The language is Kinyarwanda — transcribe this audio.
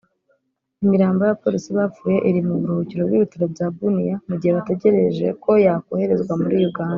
Imirambo y’abapolisi bapfuye iri mu buhurukiro bw’ibitaro bya Bunia mu gihe bategereje ko yokoherezwa muri Uganda